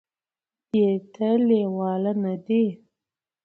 دې ته لېواله نه دي ،